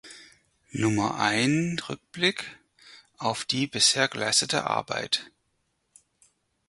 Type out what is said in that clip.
Nummer ein Rückblick auf die bisher geleistete Arbeit.